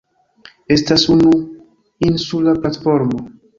Estas unu insula platformo.